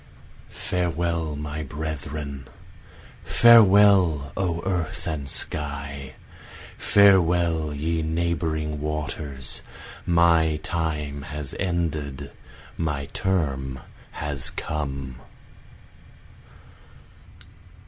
Farewell my brethren, Farewell O earth and sky, farewell ye neighboring waters, My time has ended, my term has come.